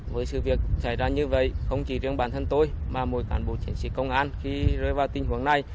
với sự việc xảy ra như vậy không chỉ riêng bản thân tôi mà mỗi cán bộ chiến sĩ công an khi rơi vào tình huống này